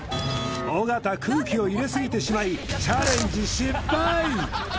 尾形空気を入れすぎてしまいチャレンジ失敗！